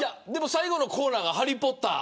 最後のコーナーがハリー・ポッター。